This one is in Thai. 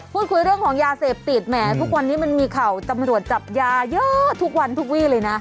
เรื่องของยาเสพติดแหมทุกวันนี้มันมีข่าวตำรวจจับยาเยอะทุกวันทุกวี่เลยนะ